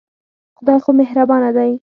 خدای خو مهربانه دی.